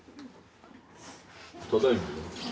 ただいまは？